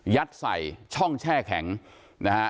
ใส่ช่องแช่แข็งนะฮะ